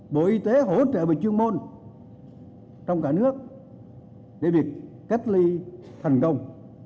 bộ y tế hỗ trợ về chuyên môn trong cả nước để việc cách ly thành công